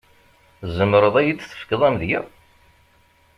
Tzemreḍ ad yi-d-tefkeḍ amedya?